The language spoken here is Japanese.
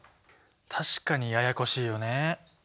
確かにややこしいよね。